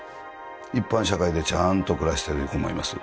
一般社会でちゃんと暮らしてる子もいます